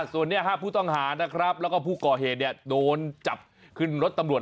ส่วนนี้ผู้ต้องหาและผู้ก่อเหดโดนจับขึ้นรถตำรวจ